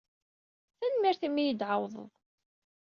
Tanemmirt imi ay iyi-d-tɛawdeḍ.